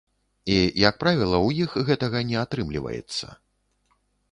І як правіла, у іх гэтага не атрымліваецца.